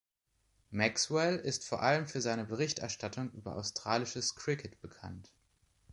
Maxwell ist vor allem für seine Berichterstattung über australisches Kricket bekannt.